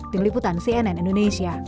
tim liputan cnn indonesia